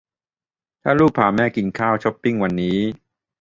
ถ้าลูกพาแม่กินข้าวช้อปปิ้งวันนี้